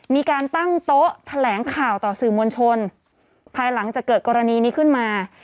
มีการตั้งโต๊ะแถลงข่าวต่อสื่อมวลชนภายหลังจากเกิดกรณีนี้ขึ้นมา